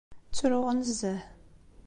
Ttruɣ nezzeh.